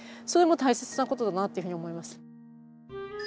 それも大切なことだなっていうふうに思います。